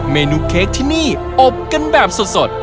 เมนูเค้กที่นี่อบกันแบบสด